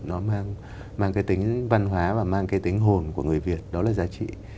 nó mang cái tính văn hóa và mang cái tính hồn của người việt đó là giá trị